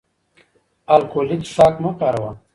الکولي څښاک مه کاروه